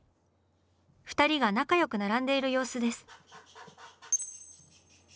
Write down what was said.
２人が仲よく並んでいる様子です。